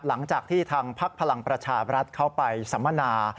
หลังจากที่ทางพักพลังประชาบรัฐเขาไปสัมมนา